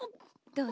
どう？